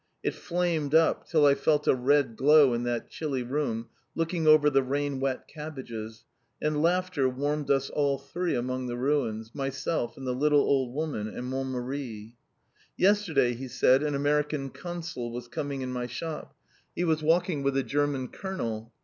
It flamed up till I felt a red glow in that chilly room looking over the rain wet cabbages, and laughter warmed us all three among the ruins, myself, and the little old woman, and Mon Mari. "Yesterday," he said, "an American Consul was coming in my shop. He was walking with a German Colonel.